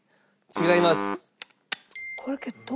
違います。